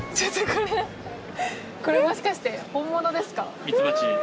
これもしかして本物ですか？